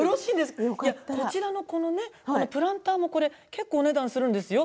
こちらのプランター結構お値段がするんですよ。